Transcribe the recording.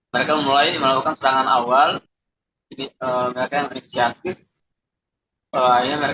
mereka mulai melakukan serangan awal ini